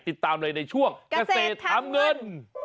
ติดตามเลยในช่วงเกษตรทำเงิน